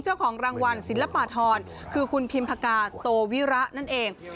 เจ้าของรางวัลศิลปธรคือคุณพิมพกาโตวิระนั่นเอง